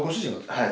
はい。